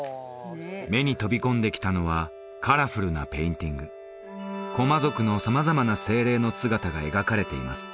目に飛び込んできたのはカラフルなペインティングクォマ族の様々な精霊の姿が描かれています